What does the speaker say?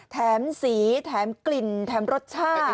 แถมสีแถมกลิ่นแถมรสชาติ